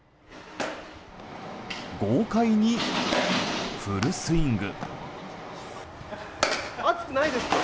豪快にフルスイング。